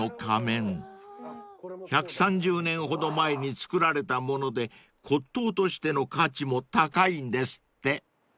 ［１３０年ほど前に作られたもので骨董としての価値も高いんですって］